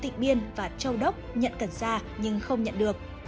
tịch biên và châu đốc nhận cần xa nhưng không nhận được